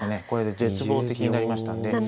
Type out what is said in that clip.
これで絶望的になりましたんで。